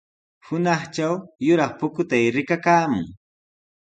Hunaqtraw yuraq pukutay rikakaamun.